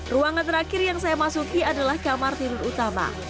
ruangan terakhir yang saya masuki adalah kamar tidur utama